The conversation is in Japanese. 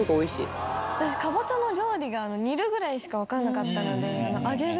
私かぼちゃの料理が煮るぐらいしか分かんなかったので。